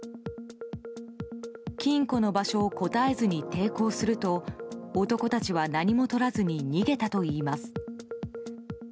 金庫の場所を答えずに抵抗すると男たちは何もとらずに逃げたといいます。